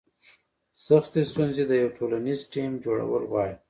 سختې ستونزې د یو ټولنیز ټیم جوړول غواړي.